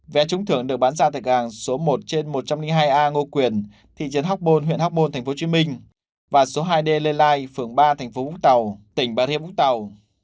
vé trúng thưởng được bán ra tại hàng số một trên một trăm linh hai a ngô quyền thị trấn hóc bôn huyện hóc bôn tp hcm và số hai d lê lai phường ba tp bú tàu tỉnh bà riêng bú tàu